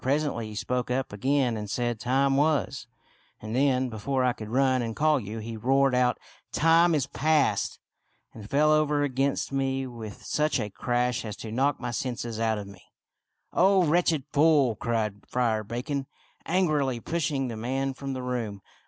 Presently he spoke up again and said, 'Time was '; and then, before I could run and call you, he roared out, ' Time is past,' and fell over against me with such a crash as to knock my senses out of me." " Oh, wretched fool !" cried Friar Bacon, angrily pushing the man from the room.